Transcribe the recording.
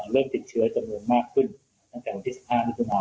เริ่มติดเชื้อจนเมืองมากขึ้นตั้งแต่วันที่๑๕นาทีมา